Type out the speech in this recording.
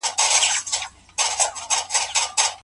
په محبت کي يې بيا دومره پيسې وغوښتلې